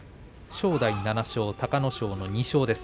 正代７勝隆の勝の２勝です。